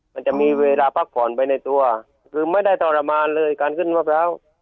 มันจะมีเวลาพักผ่อนไปในตัวคือไม่ได้ทรมานเลยการขึ้นมะพร้าว